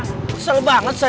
kesel banget saya